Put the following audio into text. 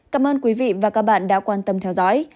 cảm ơn quý vị và các bạn đã quan tâm theo dõi